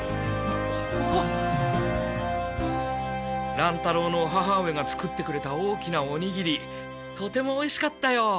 乱太郎のお母上が作ってくれた大きなおにぎりとてもおいしかったよ。